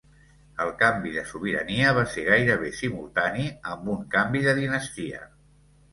El canvi de sobirania va ser gairebé simultani amb un canvi de dinastia.